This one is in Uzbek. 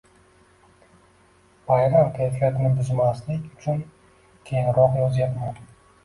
Bayram kayfiyatini buzmaslik uchun keyinroq yozyapman